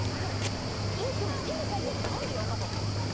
でも、今考えたら何でやらなかったんですか。